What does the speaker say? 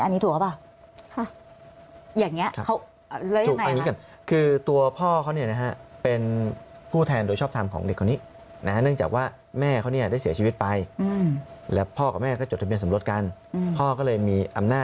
อันนี้ถูกหรือเปล่า